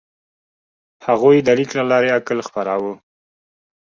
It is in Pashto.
هغوی د لیک له لارې عقل خپراوه.